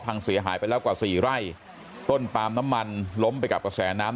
พังเสียหายไปแล้วกว่าสี่ไร่ต้นปาล์มน้ำมันล้มไปกับกระแสน้ำ